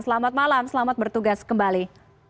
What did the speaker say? selamat malam selamat bertugas kembali